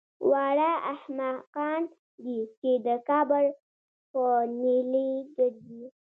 واړه احمقان دي چې د کبر په نیلي ګرځي